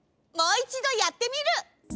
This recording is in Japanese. もういちどやってみる！